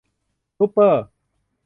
ซุปเปอร์